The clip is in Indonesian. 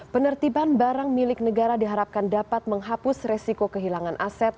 penertiban barang milik negara diharapkan dapat menghapus resiko kehilangan aset